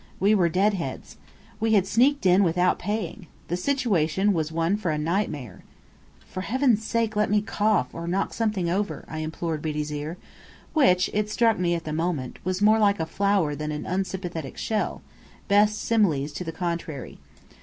We were deadheads. We had sneaked in without paying. The situation was one for a nightmare. "For heaven's sake, let me cough, or knock something over!" I implored Biddy's ear, which (it struck me at the moment) was more like a flower than an unsympathetic shell, best similes to the contrary.